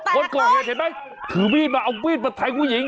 คนก่อนเห็นเหมั้ยถือมีดมาก็เอามีดมาไทยผู้หญิง